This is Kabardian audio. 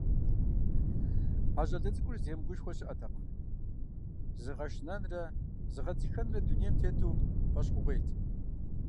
А щӀалэ цӀыкӀур зытемыгушхуэ щыӀэтэкъым, зыгъэшынэнрэ зыгъэдзыхэнрэ дунейм тету фӀэщщӀыгъуейт.